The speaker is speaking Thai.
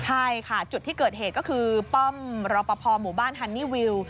ใช่ค่ะจุดที่เกิดเหตุก็คือป้อมรอปภหมู่บ้านฮันนี่วิว